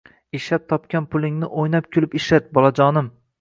Ishlab topgan pulingni oʻynab-kulib ishlat, bolajonim!